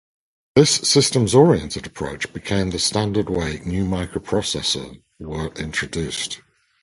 This systems-oriented approach became the standard way new microprocessor were introduced.